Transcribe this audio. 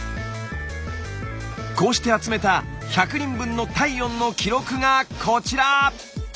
こうして集めた１００人分の体温の記録がこちら！